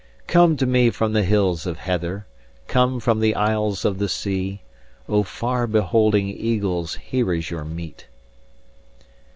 "Come to me from the hills of heather, Come from the isles of the sea. O far beholding eagles, Here is your meat."